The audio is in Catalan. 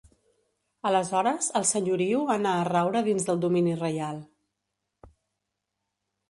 Aleshores el senyoriu anà a raure dins del domini reial.